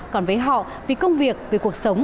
còn với họ vì công việc vì cuộc sống